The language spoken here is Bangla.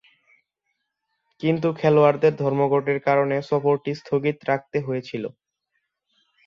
কিন্তু খেলোয়াড়দের ধর্মঘটের কারণে সফরটি স্থগিত রাখতে হয়েছিল।